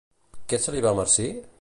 Què se li va marcir?